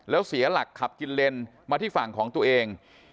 แล้วเสียหลักขับกินเลนมาที่ฝั่งของตัวเอง